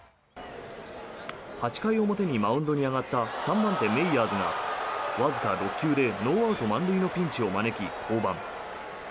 ８回表にマウンドに上がった３番手、マイヤーズがわずか６球でノーアウト満塁のピンチを背負い降板。